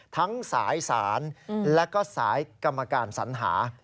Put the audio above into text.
ทั้งสายศาลและก็สายกรรมการสัญหา